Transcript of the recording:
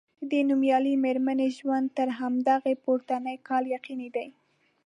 د دې نومیالۍ میرمنې ژوند تر همدغه پورتني کال یقیني دی.